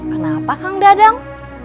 kenapa kang dadang